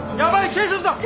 警察だ！